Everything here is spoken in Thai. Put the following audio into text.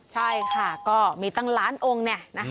ใช่ค่ะก็มีตั้งล้านองค์เนี่ย